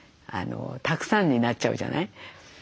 たくさんになっちゃうじゃない。